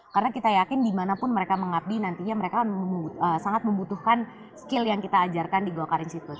karena kita yakin dimanapun mereka mengabdi nantinya mereka sangat membutuhkan skill yang kita ajarkan di golkar institute